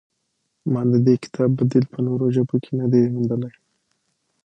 ما د دې کتاب بدیل په نورو ژبو کې نه دی موندلی.